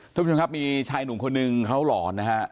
ท่านผู้ชมครับมีชายหนุ่มคนหนึ่งเขาหลอนนะฮะ